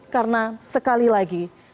karena sekali lagi